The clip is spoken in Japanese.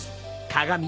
鏡。